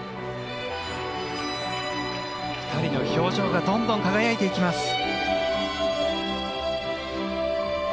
２人の表情がどんどん輝いていきます。